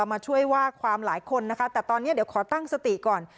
มาช่วยว่าความหลายคนนะคะแต่ตอนนี้เดี๋ยวขอตั้งสติก่อน